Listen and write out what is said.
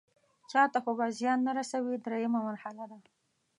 چاته خو به زیان نه رسوي دریمه مرحله ده.